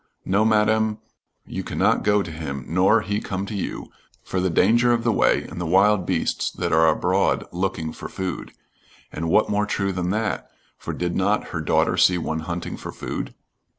'No, Madam, you cannot go to him, nor he come to you, for the danger of the way and the wild beasts that are abroad looking for food.' And what more true than that, for did not her daughter see one hunting for food?